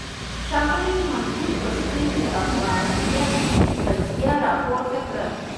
ښاغلي منظور پښتين د افغانيت قضيه راپورته کړه.